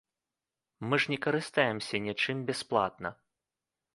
Мы ж не карыстаемся нічым бясплатна.